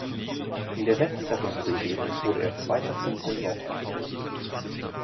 In der letzteren Serie wurde er Zweiter zum Saisonende.